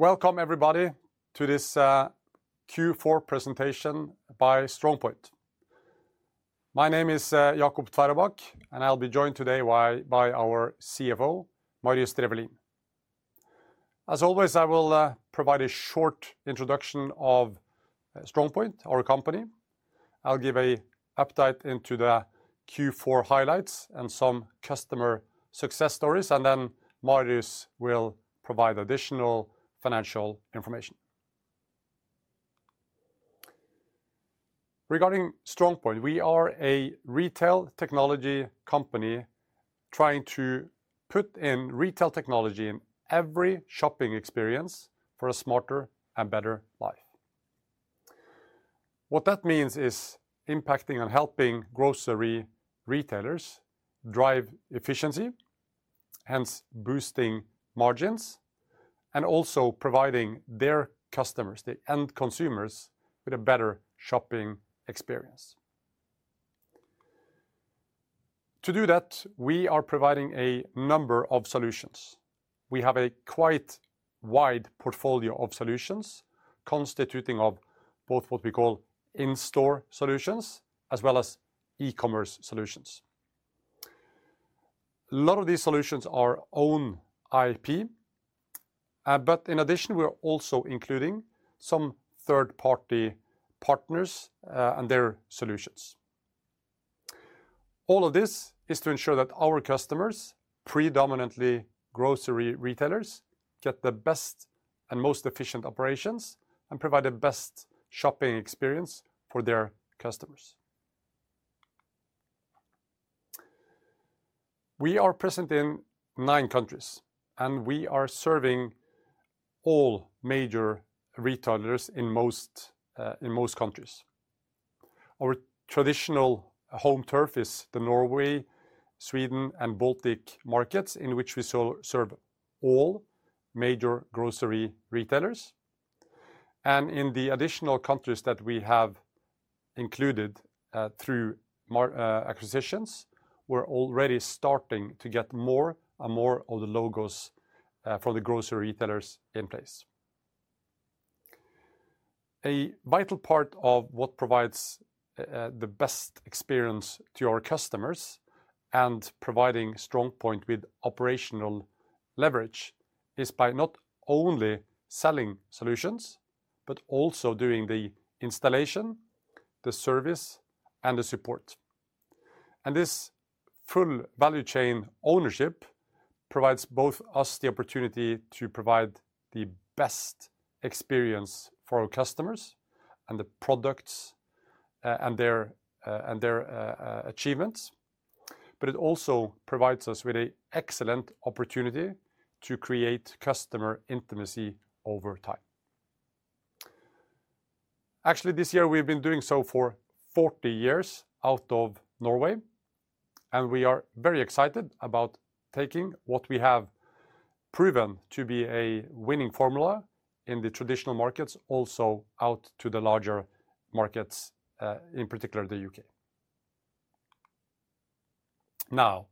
Welcome, everybody, to this Q4 presentation by StrongPoint. My name is Jacob Tveraabak, and I'll be joined today by our CFO, Marius Drefvelin. As always, I will provide a short introduction of StrongPoint, our company. I'll give an update into the Q4 highlights and some customer success stories, and then Marius will provide additional financial information. Regarding StrongPoint, we are a retail technology company trying to put in retail technology in every shopping experience for a smarter and better life. What that means is impacting and helping grocery retailers drive efficiency, hence boosting margins, and also providing their customers, the end consumers, with a better shopping experience. To do that, we are providing a number of solutions. We have a quite wide portfolio of solutions constituting both what we call in-store solutions as well as e-commerce solutions. A lot of these solutions are own IP, but in addition, we're also including some third-party partners and their solutions. All of this is to ensure that our customers, predominantly grocery retailers, get the best and most efficient operations and provide the best shopping experience for their customers. We are present in nine countries, and we are serving all major retailers in most countries. Our traditional home turf is the Norway, Sweden, and Baltic markets in which we serve all major grocery retailers. In the additional countries that we have included through acquisitions, we're already starting to get more and more of the logos for the grocery retailers in place. A vital part of what provides the best experience to our customers and providing StrongPoint with operational leverage is by not only selling solutions, but also doing the installation, the service, and the support. This full value chain ownership provides both us the opportunity to provide the best experience for our customers and the products and their achievements, but it also provides us with an excellent opportunity to create customer intimacy over time. Actually, this year, we've been doing so for 40 years out of Norway, and we are very excited about taking what we have proven to be a winning formula in the traditional markets, also out to the larger markets, in particular the U.K. Now,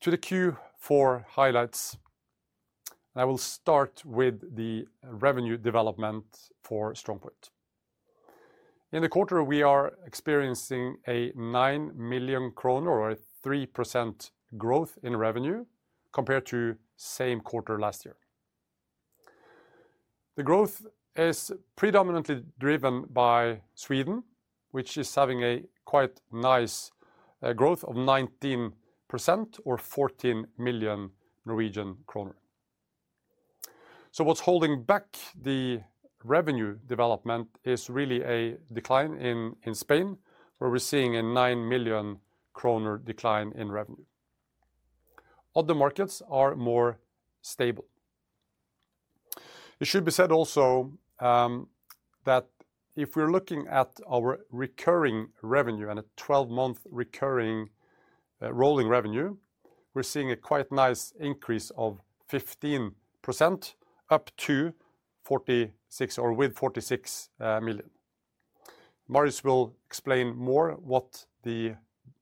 to the Q4 highlights, and I will start with the revenue development for StrongPoint. In the quarter, we are experiencing a 9 million kroner, or a 3% growth in revenue compared to the same quarter last year. The growth is predominantly driven by Sweden, which is having a quite nice growth of 19%, or 14 million Norwegian kroner. What's holding back the revenue development is really a decline in Spain, where we're seeing a 9 million kroner decline in revenue. Other markets are more stable. It should be said also that if we're looking at our recurring revenue and a 12-month recurring rolling revenue, we're seeing a quite nice increase of 15% up to, or with, 46 million. Marius will explain more what the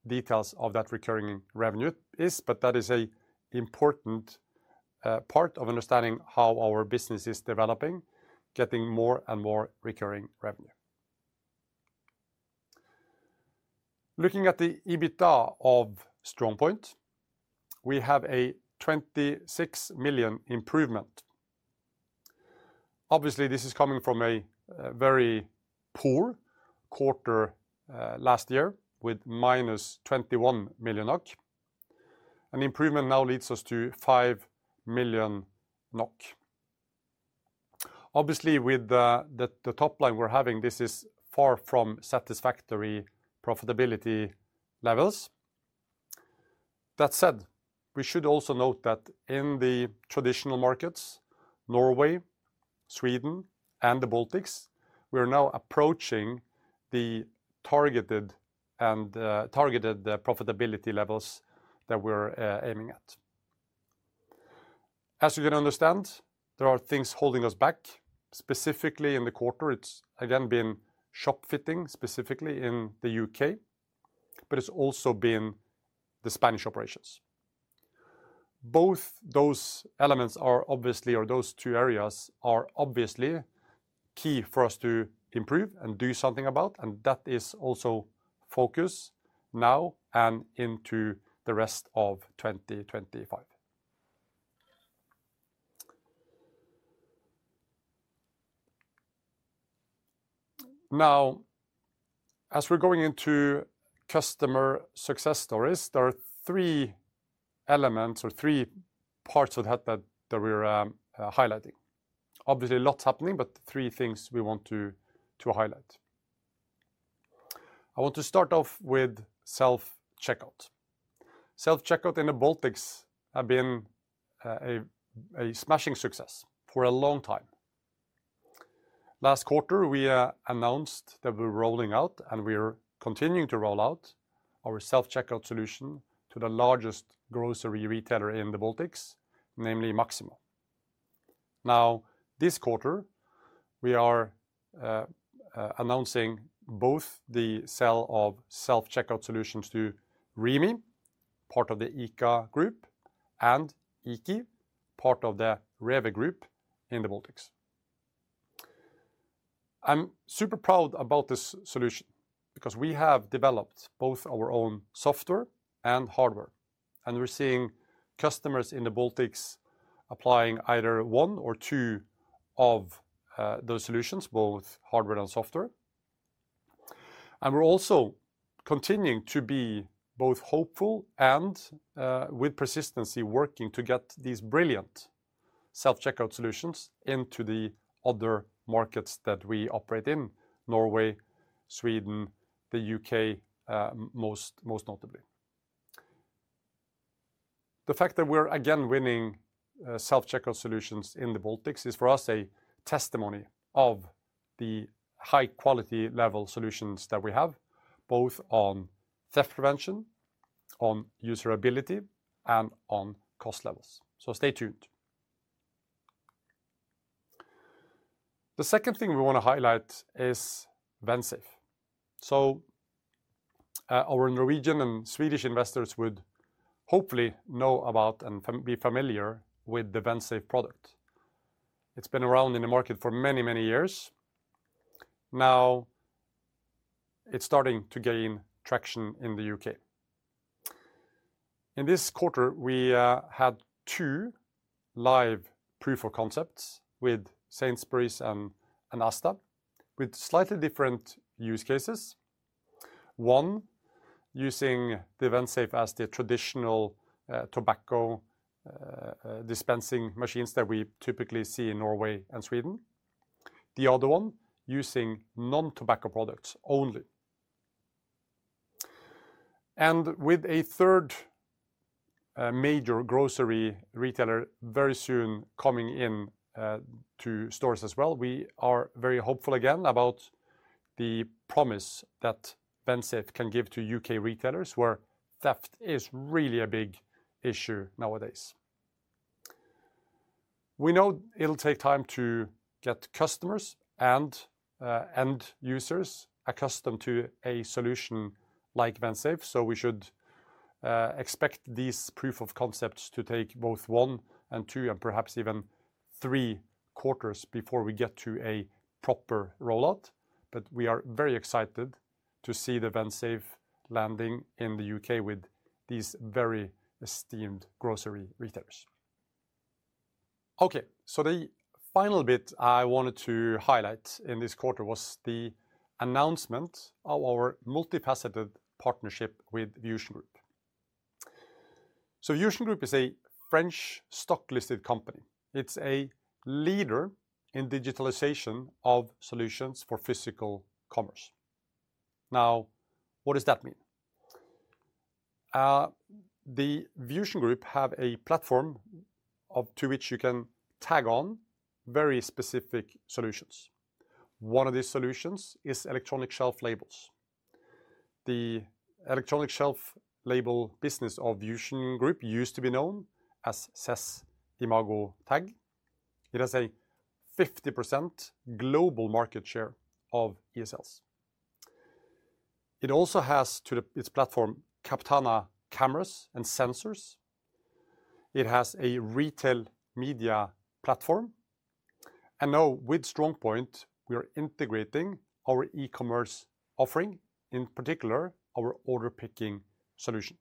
details of that recurring revenue are, but that is an important part of understanding how our business is developing, getting more and more recurring revenue. Looking at the EBITDA of StrongPoint, we have a 26 million improvement. Obviously, this is coming from a very poor quarter last year with minus 21 million NOK. An improvement now leads us to 5 million NOK. Obviously, with the top line we're having, this is far from satisfactory profitability levels. That said, we should also note that in the traditional markets, Norway, Sweden, and the Baltics, we are now approaching the targeted profitability levels that we're aiming at. As you can understand, there are things holding us back. Specifically, in the quarter, it's again been shop fitting, specifically in the U.K., but it's also been the Spanish operations. Both those elements are obviously, or those two areas are obviously key for us to improve and do something about, and that is also focus now and into the rest of 2025. Now, as we're going into customer success stories, there are three elements or three parts of that that we're highlighting. Obviously, a lot's happening, but three things we want to highlight. I want to start off with self-checkout. Self-checkout in the Baltics has been a smashing success for a long time. Last quarter, we announced that we're rolling out, and we're continuing to roll out our self-checkout solution to the largest grocery retailer in the Baltics, namely Maxima. Now, this quarter, we are announcing both the sale of self-checkout solutions to Rimi, part of the ICA Group, and Iki, part of the Rimi Group in the Baltics. I'm super proud about this solution because we have developed both our own software and hardware, and we're seeing customers in the Baltics applying either one or two of those solutions, both hardware and software. We are also continuing to be both hopeful and, with persistency, working to get these brilliant self-checkout solutions into the other markets that we operate in: Norway, Sweden, the U.K., most notably. The fact that we're again winning self-checkout solutions in the Baltics is, for us, a testimony of the high-quality level solutions that we have, both on theft prevention, on user ability, and on cost levels. Stay tuned. The second thing we want to highlight is Vensafe. Our Norwegian and Swedish investors would hopefully know about and be familiar with the Vensafe product. It's been around in the market for many, many years. Now, it's starting to gain traction in the U.K. In this quarter, we had two live proof of concepts with Sainsbury's and Asda, with slightly different use cases. One using the Vensafe as the traditional tobacco dispensing machines that we typically see in Norway and Sweden. The other one using non-tobacco products only. With a third major grocery retailer very soon coming into stores as well, we are very hopeful again about the promise that Vensafe can give to U.K. retailers, where theft is really a big issue nowadays. We know it'll take time to get customers and end users accustomed to a solution like Vensafe, so we should expect these proof of concepts to take both one and two, and perhaps even three quarters before we get to a proper rollout. We are very excited to see the Vensafe landing in the U.K. with these very esteemed grocery retailers. The final bit I wanted to highlight in this quarter was the announcement of our multifaceted partnership with VusionGroup. VusionGroup is a French stock-listed company. It's a leader in digitalization of solutions for physical commerce. Now, what does that mean? The VusionGroup has a platform to which you can tag on very specific solutions. One of these solutions is electronic shelf labels. The electronic shelf label business of VusionGroup used to be known as SES-imagotag. It has a 50% global market share of ESLs. It also has its platform, Captana cameras and sensors. It has a retail media platform. Now, with StrongPoint, we are integrating our e-commerce offering, in particular our order picking solution.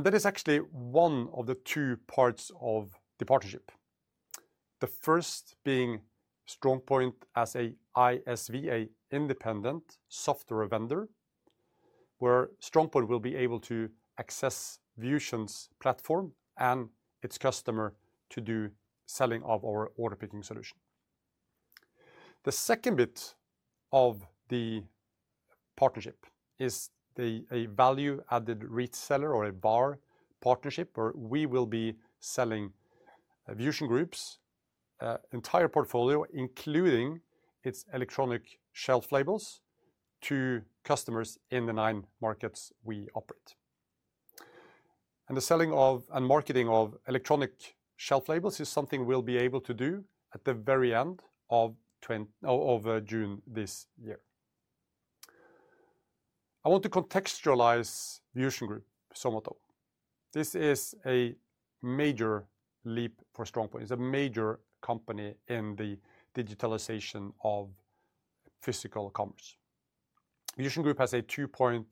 That is actually one of the two parts of the partnership. The first being StrongPoint as an ISV, an independent software vendor, where StrongPoint will be able to access VusionGroup's platform and its customer to do selling of our order picking solution. The second bit of the partnership is a value-added reseller or a VAR partnership, where we will be selling VusionGroup's entire portfolio, including its electronic shelf labels, to customers in the nine markets we operate. The selling of and marketing of electronic shelf labels is something we'll be able to do at the very end of June this year. I want to contextualize VusionGroup somewhat, though. This is a major leap for StrongPoint. It's a major company in the digitalization of physical commerce. VusionGroup has a 2.5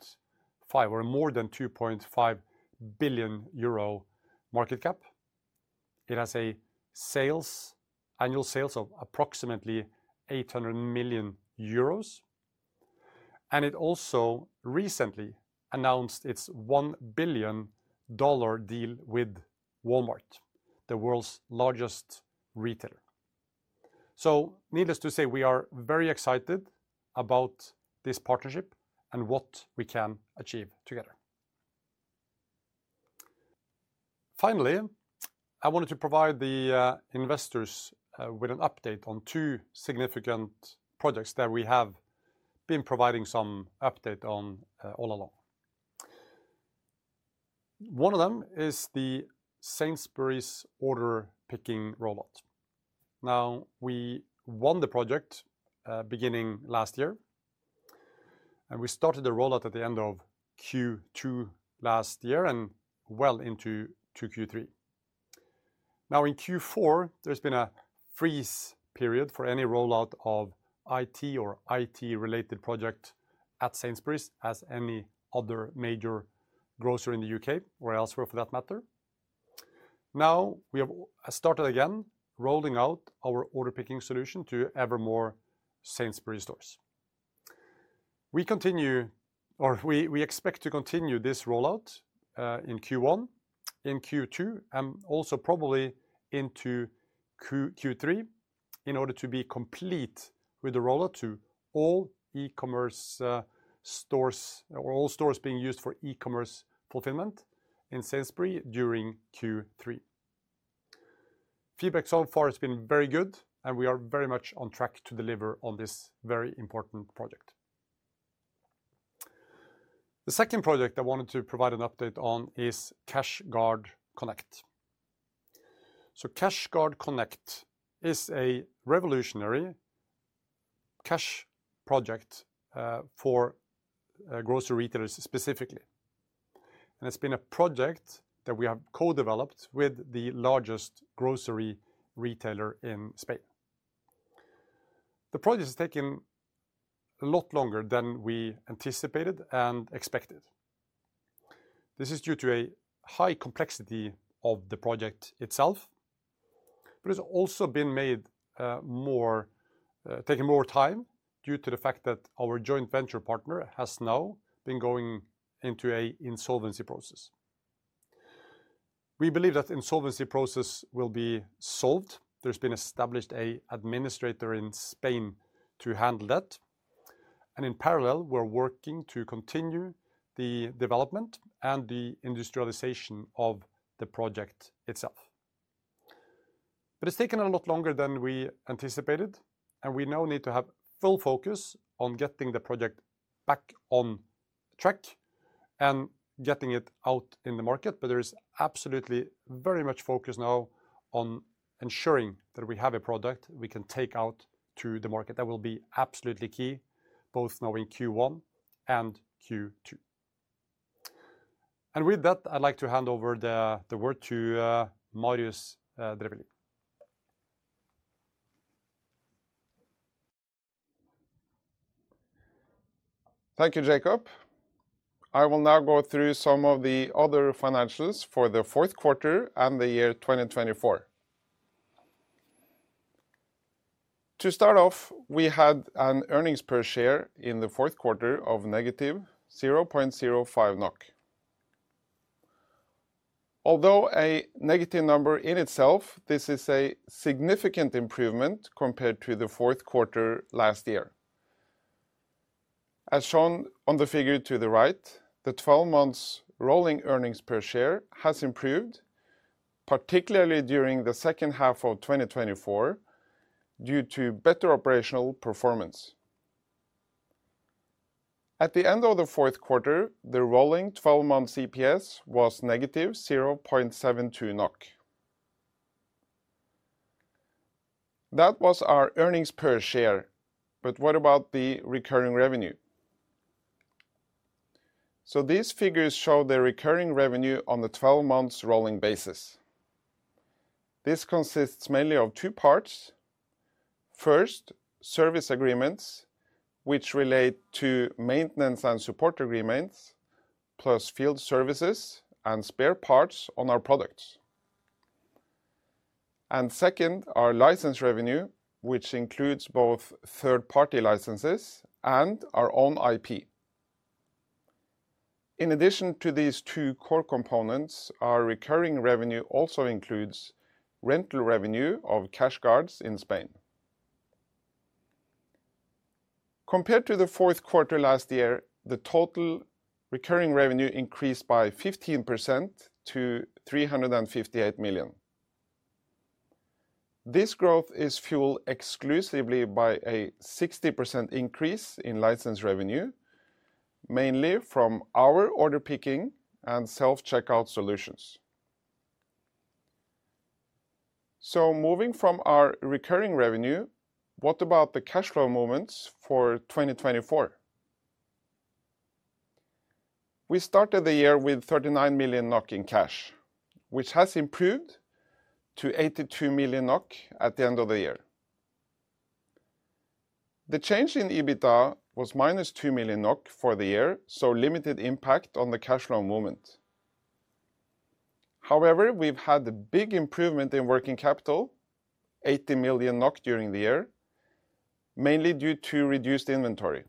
billion or more than 2.5 billion euro market cap. It has annual sales of approximately 800 million euros. It also recently announced its $1 billion deal with Walmart, the world's largest retailer. Needless to say, we are very excited about this partnership and what we can achieve together. Finally, I wanted to provide the investors with an update on two significant projects that we have been providing some update on all along. One of them is the Sainsbury's order picking rollout. Now, we won the project beginning last year, and we started the rollout at the end of Q2 last year and well into Q3. Now, in Q4, there's been a freeze period for any rollout of IT or IT-related project at Sainsbury's, as any other major grocer in the U.K. or elsewhere for that matter. Now, we have started again rolling out our order picking solution to ever more Sainsbury's stores. We continue or we expect to continue this rollout in Q1, in Q2, and also probably into Q3 in order to be complete with the rollout to all e-commerce stores or all stores being used for e-commerce fulfillment in Sainsbury's during Q3. Feedback so far has been very good, and we are very much on track to deliver on this very important project. The second project I wanted to provide an update on is CashGuard Connect. CashGuard Connect is a revolutionary cash project for grocery retailers specifically. It has been a project that we have co-developed with the largest grocery retailer in Spain. The project has taken a lot longer than we anticipated and expected. This is due to a high complexity of the project itself, but it has also been taking more time due to the fact that our joint venture partner has now been going into an insolvency process. We believe that insolvency process will be solved. There has been established an administrator in Spain to handle that. In parallel, we are working to continue the development and the industrialization of the project itself. It has taken a lot longer than we anticipated, and we now need to have full focus on getting the project back on track and getting it out in the market. There is absolutely very much focus now on ensuring that we have a product we can take out to the market that will be absolutely key, both now in Q1 and Q2. With that, I'd like to hand over the word to Marius Drefvelin. Thank you, Jacob. I will now go through some of the other financials for the fourth quarter and the year 2024. To start off, we had an earnings per share in the fourth quarter of negative 0.05 NOK. Although a negative number in itself, this is a significant improvement compared to the fourth quarter last year. As shown on the figure to the right, the 12-month rolling earnings per share has improved, particularly during the second half of 2024, due to better operational performance. At the end of the fourth quarter, the rolling 12-month EPS was negative NOK 0.72. That was our earnings per share, but what about the recurring revenue? These figures show the recurring revenue on the 12-month rolling basis. This consists mainly of two parts. First, service agreements, which relate to maintenance and support agreements, plus field services and spare parts on our products. Second, our license revenue, which includes both third-party licenses and our own IP. In addition to these two core components, our recurring revenue also includes rental revenue of CashGuard in Spain. Compared to the fourth quarter last year, the total recurring revenue increased by 15% to 358 million. This growth is fueled exclusively by a 60% increase in license revenue, mainly from our order picking and self-checkout solutions. Moving from our recurring revenue, what about the cash flow movements for 2024? We started the year with 39 million NOK in cash, which has improved to 82 million NOK at the end of the year. The change in EBITDA was minus 2 million NOK for the year, so limited impact on the cash flow movement. However, we've had a big improvement in working capital, 80 million NOK during the year, mainly due to reduced inventory.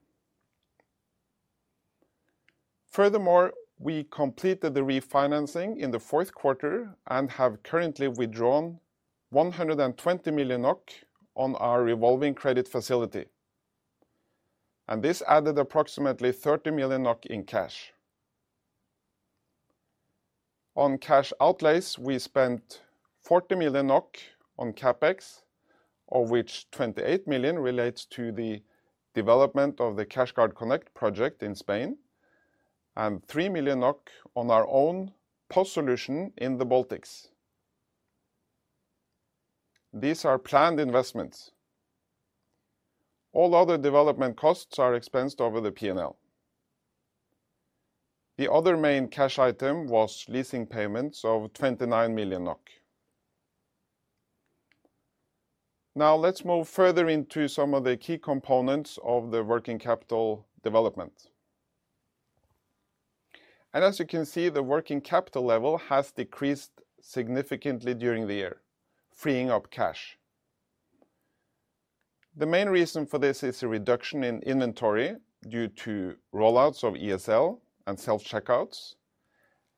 Furthermore, we completed the refinancing in the fourth quarter and have currently withdrawn 120 million NOK on our revolving credit facility. This added approximately 30 million NOK in cash. On cash outlays, we spent 40 million NOK on CapEx, of which 28 million relates to the development of the CashGuard Connect project in Spain, and 3 million NOK on our own POS solution in the Baltics. These are planned investments. All other development costs are expensed over the P&L. The other main cash item was leasing payments of 29 million NOK. Now, let's move further into some of the key components of the working capital development. As you can see, the working capital level has decreased significantly during the year, freeing up cash. The main reason for this is a reduction in inventory due to rollouts of ESL and self-checkouts,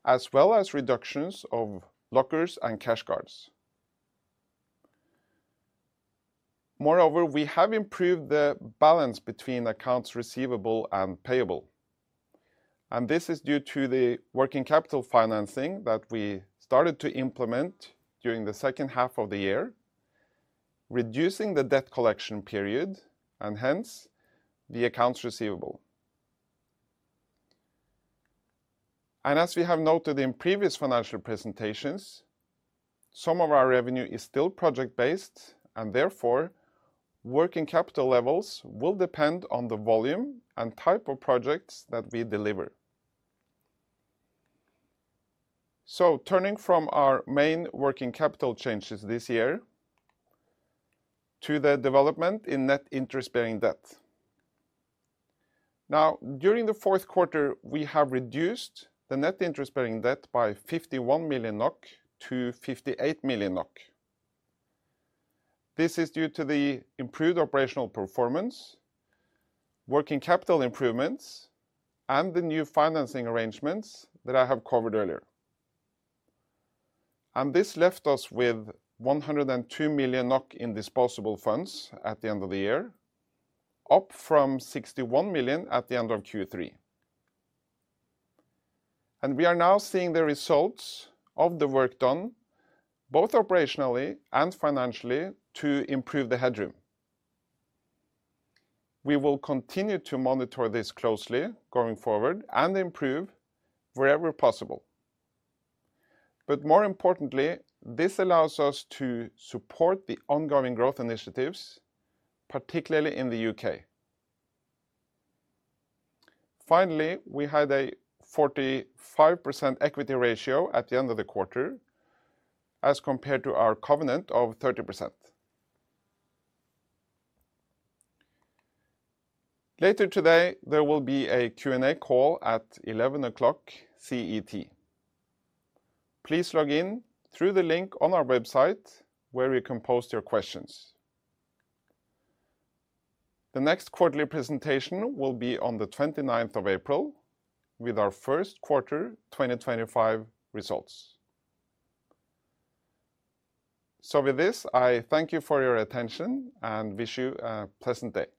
as well as reductions of lockers and CashGuards. Moreover, we have improved the balance between accounts receivable and payable. This is due to the working capital financing that we started to implement during the second half of the year, reducing the debt collection period and hence the accounts receivable. As we have noted in previous financial presentations, some of our revenue is still project-based, and therefore, working capital levels will depend on the volume and type of projects that we deliver. Turning from our main working capital changes this year to the development in net interest-bearing debt. During the fourth quarter, we have reduced the net interest-bearing debt by 51 million NOK to 58 million NOK. This is due to the improved operational performance, working capital improvements, and the new financing arrangements that I have covered earlier. This left us with 102 million NOK in disposable funds at the end of the year, up from 61 million at the end of Q3. We are now seeing the results of the work done, both operationally and financially, to improve the headroom. We will continue to monitor this closely going forward and improve wherever possible. More importantly, this allows us to support the ongoing growth initiatives, particularly in the U.K. Finally, we had a 45% equity ratio at the end of the quarter, as compared to our covenant of 30%. Later today, there will be a Q&A call at 11:00 A.M. CET. Please log in through the link on our website, where you can post your questions. The next quarterly presentation will be on the 29th of April, with our first quarter 2025 results. With this, I thank you for your attention and wish you a pleasant day.